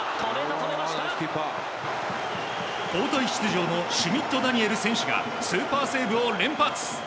交代出場のシュミット・ダニエル選手が、スーパーセーブを連発。